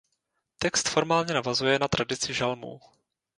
Text formálně navazuje na tradici žalmů.